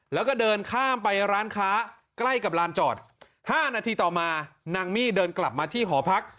แล้วก็เดินข้ามไปร้านค้าใกล้กับลานจอด๕นาทีต่อมานางมี่เดินกลับมาที่หอพัก